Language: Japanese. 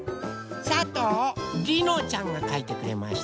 さとうりのちゃんがかいてくれました。